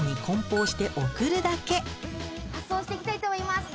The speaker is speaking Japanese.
発送してきたいと思います。